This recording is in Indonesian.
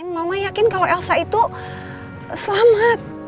mama yakin kalau elsa itu selamat